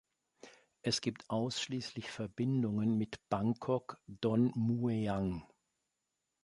Es gibt ausschließlich Verbindungen mit Bangkok-Don Mueang.